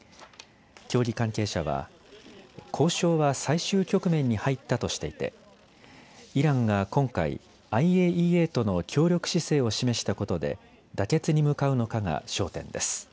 協議関係者は交渉は最終局面に入ったとしていてイランが今回ＩＡＥＡとの協力姿勢を示したことで妥結に向かうのかが焦点です。